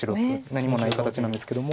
何もない形なんですけども。